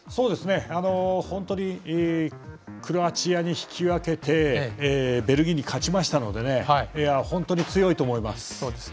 本当にクロアチアに引き分けてベルギーに勝ちましたので本当に強いと思います。